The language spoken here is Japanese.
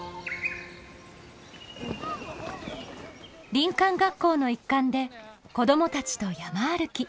林間学校の一環で子どもたちと山歩き。